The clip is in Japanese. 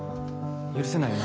許せないよな。